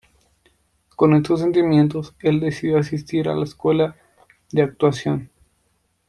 Con estos sentimientos el decidió asistir a la escuela de actuación.